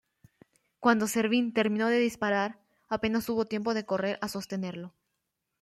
Cuando Servín terminó de disparar, apenas hubo tiempo de correr a sostenerlo.